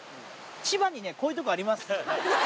千葉にね、こういうとこあります。